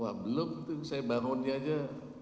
wah belum saya bangun aja